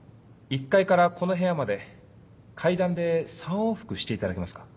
１階からこの部屋まで階段で３往復していただけますか？